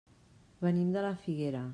Venim de la Figuera.